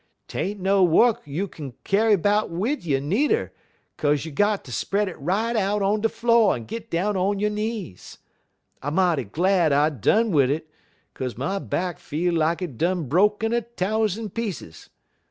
'T ain't no wuk youk'n kyar' 'bout wid you needer, 'kaze you got ter spread it right out on de flo' un git down on yo' knees. I mighty glad I done wid it, 'kaze my back feel like it done broke in a thous'n pieces.